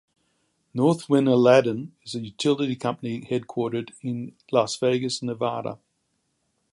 Northwind Aladdin is a utility company headquartered in Las Vegas, Nevada.